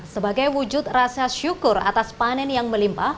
sebagai wujud rasa syukur atas panen yang melimpa